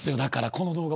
この動画。